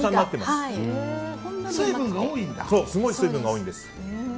すごい水分が多いんです。